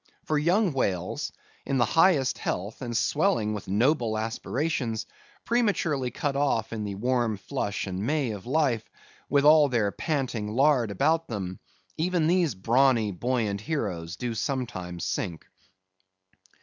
For young whales, in the highest health, and swelling with noble aspirations, prematurely cut off in the warm flush and May of life, with all their panting lard about them; even these brawny, buoyant heroes do sometimes sink.